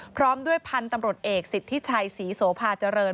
พร้อมด้วยพันธุ์ตำรวจเอกสิทธิชัยศรีโสภาเจริญ